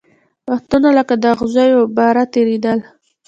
وختونه لکه د اغزیو باره تېرېدل